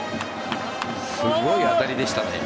すごい当たりでしたね。